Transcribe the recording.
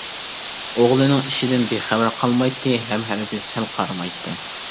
ئوغلىنىڭ ئىشىدىن بىخەۋەر قالمايتتى ھەم ھەرگىز سەل قارىمايتتى.